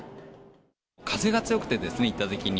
風が強くて、行ったときに。